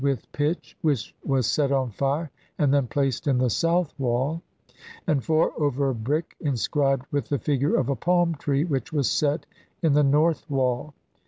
CLIX with pitch which was set on fire, and then placed in the south wall ; and (4) over a brick inscribed with the figure of a palm tree, which was set in the north wall.